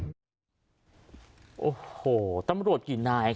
เออโหตำรวจกินนาย